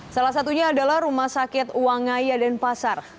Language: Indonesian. salah satunya adalah rumah sakit wangaya dan pasar